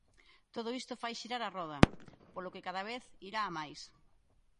Todo isto fai xirar a roda, polo que cada vez irá a máis.